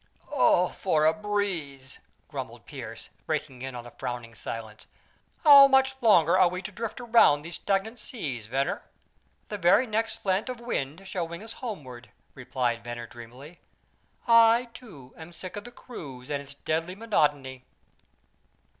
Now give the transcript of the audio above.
"Oh, for a breeze!" grumbled Pearse, breaking in on the frowning silence. "How much longer are we to drift around these stagnant seas, Venner?" "The very next slant of wind shall wing us homeward," replied Venner dreamily. "I, too, am sick of the cruise and its deadly monotony."